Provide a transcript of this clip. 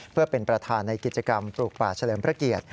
เพื่อเป็นประธานในกิจกรรมปลูกป่าเฉลิมพระเกียรติ